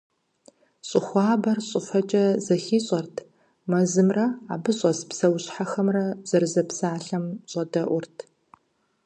Щӏы хуабэр щӏыфэкӏэ зэхищӏэрт, мэзымрэ, абы щӏэс псэущхьэхэмрэ зэрызэпсалъэм щӏэдэӏурт.